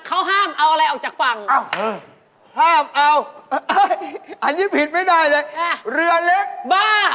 ของมันเป็นหมาที่เชื่องเล่า